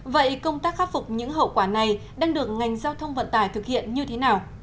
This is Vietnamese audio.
vậy công tác khắc phục những hậu quả này đang được ngành giao thông vận tải thực hiện như thế nào